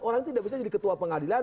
orang tidak bisa jadi ketua pengadilan